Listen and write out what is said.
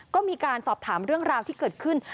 ก็มีการสอบถามเรื่องราวที่เกิดขึ้น